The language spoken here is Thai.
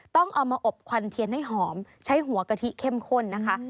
ต้องเอามาอบควันเทียนให้หอมใช้หัวกะทิเข้มข้นนะคะ